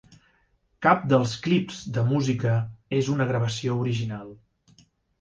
Cap dels clips de música és una gravació original.